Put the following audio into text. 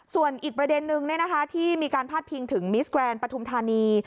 ส่วนอีกประเด็นนึงเนี่ยนะคะที่มีการพาดพิงถึงมิสแกรนด์ประทุมธานี